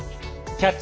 「キャッチ！